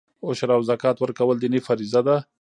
عشر او زکات ورکول دیني فریضه ده.